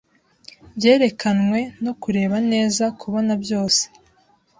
Byerekanwe no kureba neza kubona byose